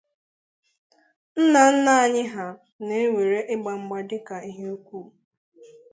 nna nna anyị ha na-ewere igba mgba dịka ihe ukwu